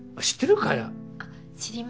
あっ知りま。